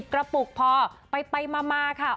กระปุกพอไปมาค่ะ